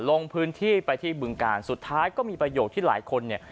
ลงพื้นที่ไปที่บึงการสุดท้ายก็มีประโยคที่หลายคนเนี่ย